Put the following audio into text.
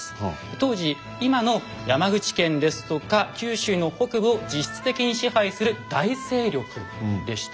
当時今の山口県ですとか九州の北部を実質的に支配する大勢力でした。